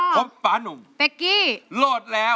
เต็กกี้โหลดแล้ว